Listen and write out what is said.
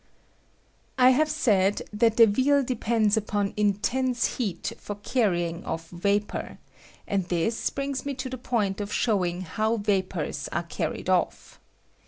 I have said that Deville depends upon intense beat for carrying o£F vapor, and this brings me to the point of showing how vapors are carried off.